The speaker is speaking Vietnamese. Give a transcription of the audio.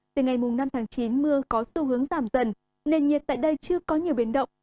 từ ngày năm tháng chín mưa có xu hướng giảm dần nền nhiệt tại đây chưa có nhiều biến động